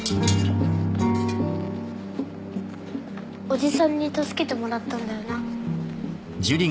おじさんに助けてもらったんだよな？